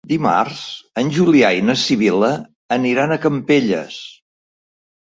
Dimarts en Julià i na Sibil·la aniran a Campelles.